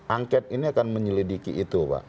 angket ini akan menyelidiki itu pak